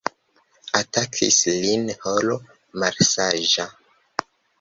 Atakis lin horo malsaĝa.